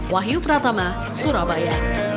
wahyu pratama surabaya